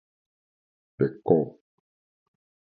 べっ甲